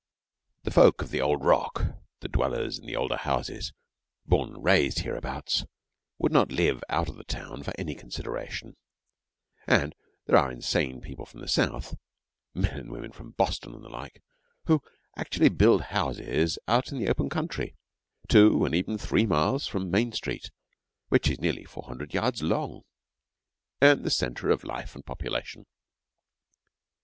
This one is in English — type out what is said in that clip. The folk of the old rock, the dwellers in the older houses, born and raised hereabouts, would not live out of the town for any consideration, and there are insane people from the South men and women from Boston and the like who actually build houses out in the open country, two, and even three miles from Main Street which is nearly 400 yards long, and the centre of life and population.